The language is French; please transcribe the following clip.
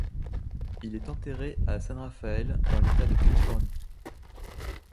Il est enterré à San Rafael dans l'État de Californie.